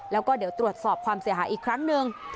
แล้วก็เดี๋ยวตรวจสอบความเสียหายอีกครั้งหนึ่ง